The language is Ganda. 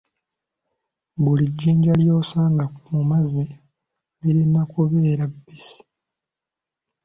Buli jjinja ly'osanga mu mazzi lirina kubeera bbisi.